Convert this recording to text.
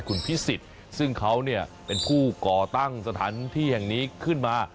คุณพิสิทธิ์ซึ่งเขาเนี่ยเป็นผู้ก่อตั้งสถานที่แห่งนี้ขึ้นมา